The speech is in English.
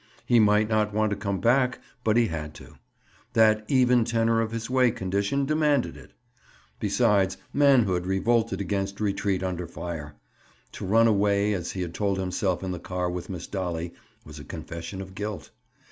He might not want to come back but he had to. That even tenor of his way condition demanded it. Besides, manhood revolted against retreat under fire. To run away, as he had told himself in the car with Miss Dolly, was a confession of guilt.